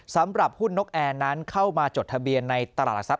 สำหรับหุ้นนกแอร์นั้นเข้ามาจดทะเบียนในตลาดหลักทรัพย